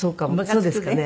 そうですかね。